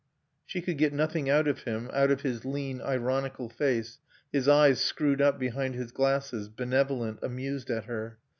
She could get nothing out of him, out of his lean, ironical face, his eyes screwed up behind his glasses, benevolent, amused at her.